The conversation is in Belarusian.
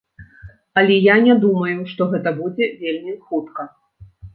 Але я не думаю, што гэта будзе вельмі хутка.